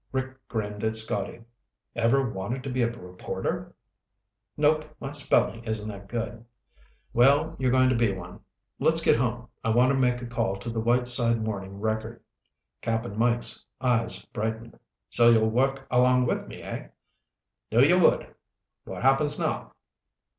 Rick grinned at Scotty. "Ever wanted to be a reporter?" "Nope. My spelling isn't that good." "Well, you're going to be one. Let's get home. I want to make a call to the Whiteside Morning Record." Cap'n Mike's eyes brightened. "So you'll work along with me, hey? Knew you would. What happens now?"